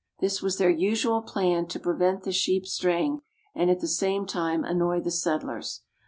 This was their usual plan to prevent the sheep straying, and at the same time annoy the settlers.